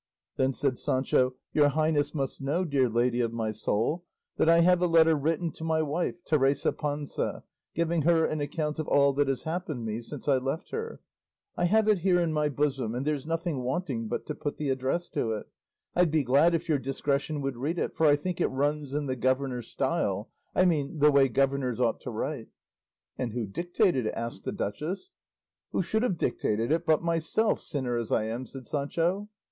Then said Sancho, "Your highness must know, dear lady of my soul, that I have a letter written to my wife, Teresa Panza, giving her an account of all that has happened me since I left her; I have it here in my bosom, and there's nothing wanting but to put the address to it; I'd be glad if your discretion would read it, for I think it runs in the governor style; I mean the way governors ought to write." "And who dictated it?" asked the duchess. "Who should have dictated but myself, sinner as I am?" said Sancho.